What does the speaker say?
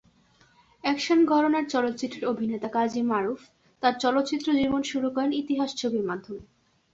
Action ঘরানার চলচ্চিত্রের অভিনেতা কাজী মারুফ তার চলচ্চিত্র জীবন শুরু করেন ইতিহাস ছবির মাধ্যমে।